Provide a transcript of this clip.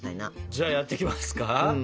じゃあやっていきますか。